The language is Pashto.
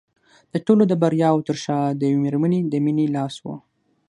د ټولو د بریاوو تر شا د یوې مېرمنې د مینې لاس و